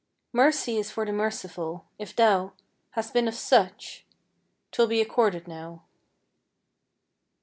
Mercy is for the merciful! if thou Hast been of such, 'twill be accorded now.